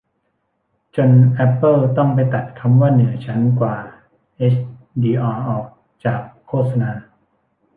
จนแอปเปิลต้องไปตัดคำว่า เหนือชั้นกว่าเฮชดีอาร์ ออกจากโฆษณา